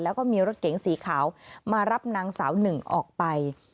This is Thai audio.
แล้วก็มีรถเก๋งสีขาวมารับนางสาวหนึ่งออกไป